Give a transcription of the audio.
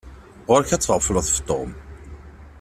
Ɣur-k ad tɣefleḍ ɣef Tom.